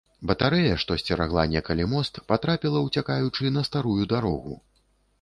Батарэя, што сцерагла некалі мост, патрапіла, уцякаючы, на старую дарогу.